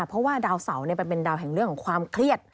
เพราะว่าดาวเสาเป็นดาวแห่งเรื่องของความเครียด